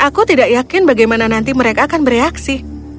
aku tidak yakin bagaimana nanti mereka akan bereaksi